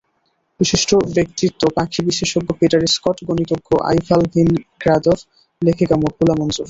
বিশিষ্ট ব্যক্তিত্ব পাখিবিশেষজ্ঞ Peter Scott, গণিতজ্ঞ আইভাল ভিনগ্রাদভ, লেখিকা মকবুলা মঞ্জুর।